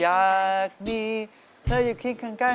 อยากดีเธออย่าคิดข้างใกล้